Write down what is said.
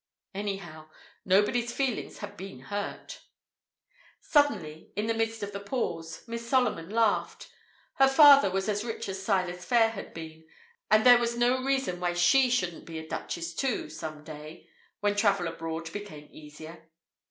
Anyhow, nobody's feelings need be hurt. Suddenly, in the midst of the pause, Miss Solomon laughed. Her father was as rich as Silas Phayre had been, and there was no reason why she shouldn't be a duchess, too, some day, when travel abroad became easier.